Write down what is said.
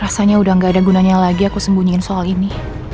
rasanya udah gak ada gunanya lagi aku sembunyiin soal ini